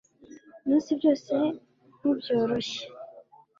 mu isi byose nku byoroshya